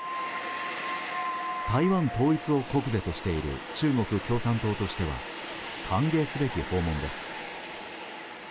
台湾統一を国是としている中国共産党としては歓迎すべき訪問です。